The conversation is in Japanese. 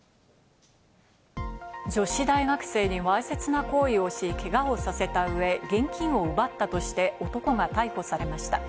女子大学生にわいせつな行為をし、けがをさせた上、現金を奪ったとして男が逮捕されました。